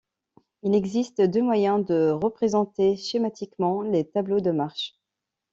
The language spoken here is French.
Il existe deux moyens de représenter schématiquement les tableaux de marche.